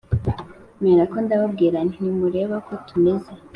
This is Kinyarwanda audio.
Mperako ndababwira nti Ntimureba ko tumeze